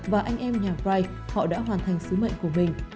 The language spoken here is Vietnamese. và anh em nhà brite họ đã hoàn thành sứ mệnh của mình